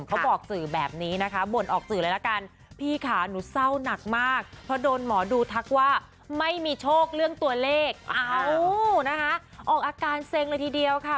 เขาบอกสื่อแบบนี้นะคะบ่นออกสื่อเลยละกันพี่ค่ะหนูเศร้าหนักมากเพราะโดนหมอดูทักว่าไม่มีโชคเรื่องตัวเลขเอ้านะคะออกอาการเซ็งเลยทีเดียวค่ะ